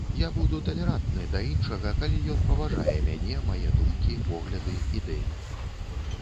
Я буду талерантны да іншага, калі ён паважае мяне, мае думкі, погляды, ідэі.